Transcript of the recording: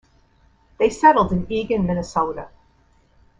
They settled in Eagan, Minnesota.